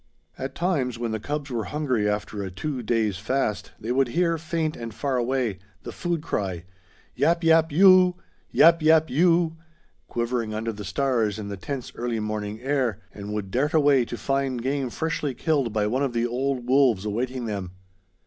At times, when the cubs were hungry after a two days fast, they would hear, faint and far away, the food cry, yap yap yooo! yap yap yoooooo! quivering under the stars in the tense early morning air, and would dart away to find game freshly killed by one of the old wolves awaiting them.